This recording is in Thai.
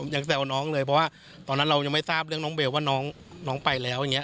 แซวน้องเลยเพราะว่าตอนนั้นเรายังไม่ทราบเรื่องน้องเบลว่าน้องไปแล้วอย่างนี้